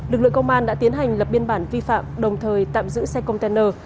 lực lượng công an đã tiến hành lập biên bản vi phạm đồng thời tạm giữ xe container